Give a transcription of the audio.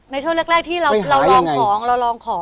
ในช่วงแรกที่เรารองของ